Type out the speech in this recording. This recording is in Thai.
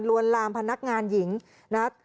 ลวนลามพนักงานหญิงนะครับ